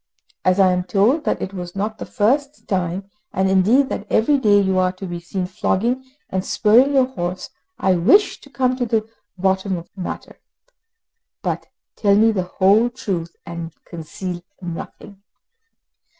As I am told that it was not the first time, and indeed that every day you are to be seen flogging and spurring your horse, I wish to come to the bottom of the matter. But tell me the whole truth, and conceal nothing."